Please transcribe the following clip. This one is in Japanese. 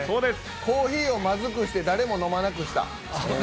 コーヒーをまずくして誰も飲まなくした。